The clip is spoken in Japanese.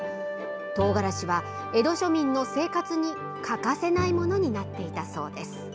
トウガラシは江戸庶民の生活に欠かせないものになっていたそうです。